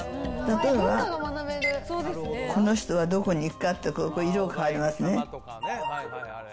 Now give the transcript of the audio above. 例えば、この人はどこに行くかって、ここ、色が変わりますね。